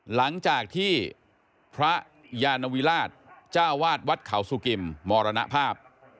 หลังจากที่พระยานวิราชเจ้าวาดวัดเขาสุกิมมรณภาพ